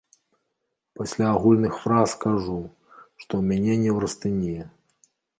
Пасля агульных фраз кажу, што ў мяне неўрастэнія.